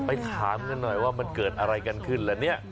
ไปถามกันหน่อยว่ามันเกิดอะไรกันขึ้นละเนี่ย